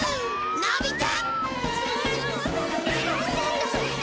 のび太！